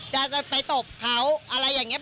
จะไปตบเขาอะไรอย่างนี้